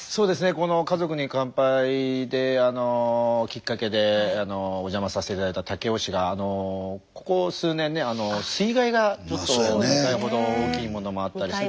この「家族に乾杯」できっかけでお邪魔させて頂いた武雄市がここ数年ね水害がちょっと２回ほど大きいものもあったりして。